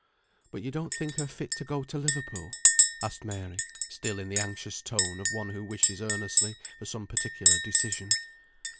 "But you don't think her fit to go to Liverpool?" asked Mary, still in the anxious tone of one who wishes earnestly for some particular decision.